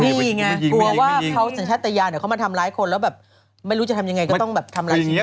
นี่ไงกลัวว่าเขาสัญชาติยานเดี๋ยวเขามาทำร้ายคนแล้วแบบไม่รู้จะทำยังไงก็ต้องแบบทำร้ายชีวิต